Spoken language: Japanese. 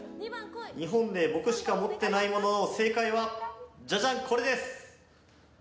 日本で僕しか持っていないものの正解はじゃじゃん、これです！